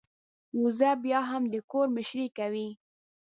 وزه بيا هم د کور مشرۍ کوي.